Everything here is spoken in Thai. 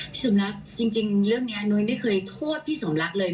สมรักจริงเรื่องนี้นุ้ยไม่เคยโทษพี่สมรักเลย